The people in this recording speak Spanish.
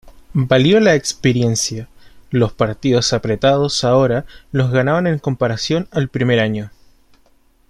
Valió la experiencia, los partidos apretados ahora los ganaban en comparación al primer año.